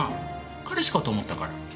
彼氏かと思ったから。